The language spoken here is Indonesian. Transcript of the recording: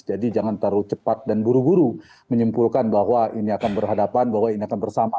jadi jangan terlalu cepat dan buru buru menyimpulkan bahwa ini akan berhadapan bahwa ini akan bersama